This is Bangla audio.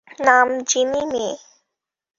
নাম জিনি মে।